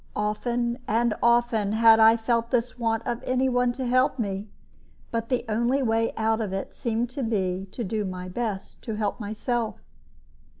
Often and often had I felt this want of any one to help me, but the only way out of it seemed to be to do my best to help myself.